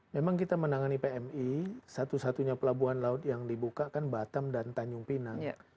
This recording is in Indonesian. memang kita menangani pmi satu satunya pelabuhan laut yang dibuka kan batam dan tanjung pinang